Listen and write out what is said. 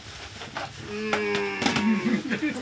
うん。